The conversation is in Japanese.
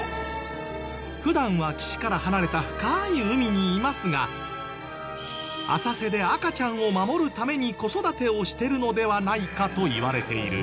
普段は岸から離れた深い海にいますが浅瀬で赤ちゃんを守るために子育てをしてるのではないかといわれている。